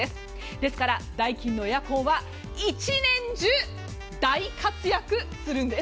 ですからダイキンのエアコンは１年中大活躍するんです。